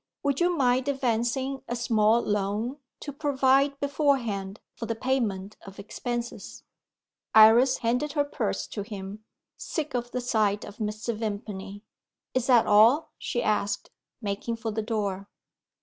Would you mind advancing a small loan, to provide beforehand for the payment of expenses?" Iris handed her purse to him, sick of the sight of Mr. Vimpany. "Is that all?" she asked, making for the door.